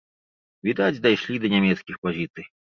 Відаць, дайшлі да нямецкіх пазіцый.